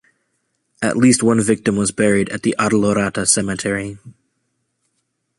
At least one victim was buried at the Addolorata Cemetery.